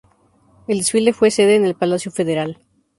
El desfile fue sede en el palacio federal.